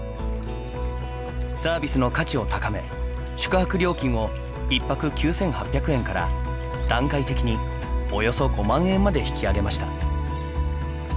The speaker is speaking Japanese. サービスの価値を高め宿泊料金を１泊９，８００円から段階的におよそ５万円まで引き上げました。